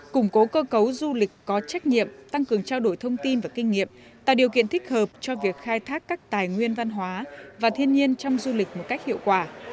củng cố cơ cấu du lịch có trách nhiệm tăng cường trao đổi thông tin và kinh nghiệm tạo điều kiện thích hợp cho việc khai thác các tài nguyên văn hóa và thiên nhiên trong du lịch một cách hiệu quả